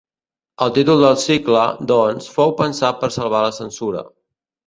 El títol del cicle, doncs, fou pensat per salvar la censura.